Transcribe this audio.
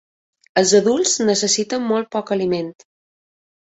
Els adults necessiten molt poc aliment.